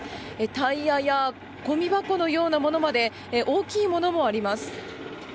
タイヤやごみ箱のようなものまで大きいものもあります。